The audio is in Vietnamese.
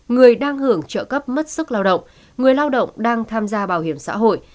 người đang hưởng trợ cấp mất sức lao động người lao động đang tham gia bảo hiểm xã hội